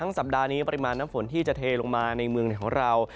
สัปดาห์นี้ปริมาณน้ำฝนที่จะเทลงมาในเมืองของเรา